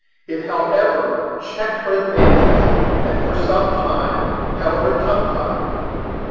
It, however, checked her advances, and for some time held her tongue tied.